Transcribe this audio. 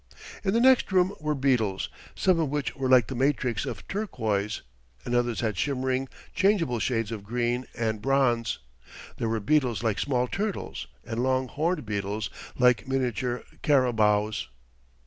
In the next room were beetles, some of which were like the matrix of turquoise, and others had shimmering, changeable shades of green and bronze. There were beetles like small turtles, and long, horned beetles like miniature carabaos.